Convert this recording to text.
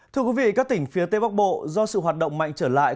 thưa quý vị các tỉnh phía tây bắc bộ do sự hoạt động mạnh trở lại